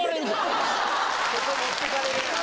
ここ持ってかれる。